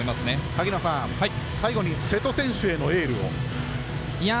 萩野さん、最後に瀬戸選手へのエールを。